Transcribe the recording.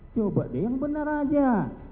coba deh yang benar aja